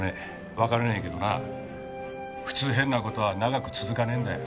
わからねえけどな普通変な事は長く続かねえんだ。